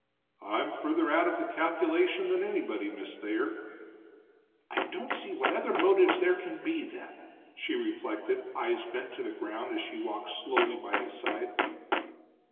"I'm further out of the calculation than anybody, Miss Thayer." "I don't see what other motive there can be, then," she reflected, eyes bent to the ground as she walked slowly by his side.